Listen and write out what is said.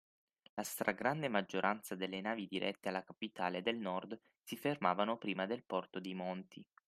La stragrande maggioranza delle navi dirette alla capitale del nord si fermavano prima nel porto dei Monti